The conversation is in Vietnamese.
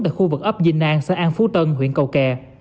tại khu vực ấp dinh an xã an phú tân huyện cầu kè